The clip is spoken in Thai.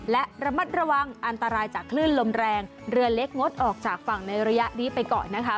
และระมัดระวังอันตรายจากคลื่นลมแรงเรือเล็กงดออกจากฝั่งในระยะนี้ไปก่อนนะคะ